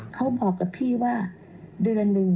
เขาบอกกับพี่ว่าเดือนหนึ่ง